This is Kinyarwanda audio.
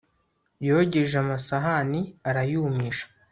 yogeje amasahani arayumisha